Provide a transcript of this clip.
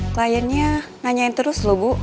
kliennya nanyain terus loh bu